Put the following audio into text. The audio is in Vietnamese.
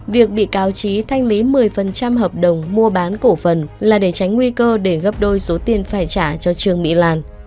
việc bị cáo trí thanh lý một mươi hợp đồng mua bán cổ phần là để tránh nguy cơ để gấp đôi số tiền phải trả cho trương mỹ lan